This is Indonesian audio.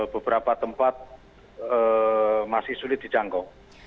beberapa tempat masih sulit dijangkau